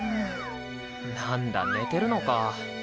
なんだ寝てるのか。